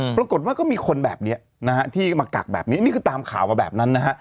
ปรากฏว่าก็มีคนแบบนี้นะฮะที่มากักแบบนี้นี่คือตามข่าวมาแบบนั้นนะฮะ